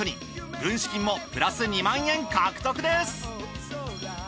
軍資金もプラス２万円獲得です！